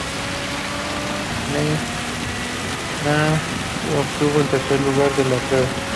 Name obtuvo el tercer lugar de la prueba.